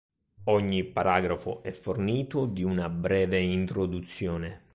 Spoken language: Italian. Ogni paragrafo è fornito di una breve introduzione.